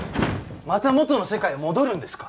また元の世界へ戻るんですか？